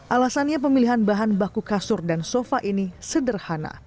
alasannya pemilihan bahan baku kasur dan sofa ini sederhana